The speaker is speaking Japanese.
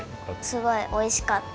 すごいおいしかった！